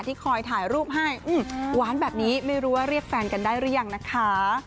คอยถ่ายรูปให้หวานแบบนี้ไม่รู้ว่าเรียกแฟนกันได้หรือยังนะคะ